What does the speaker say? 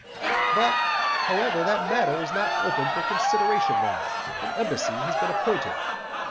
"But, however, that matter is not open for consideration now, an embassy has been appointed."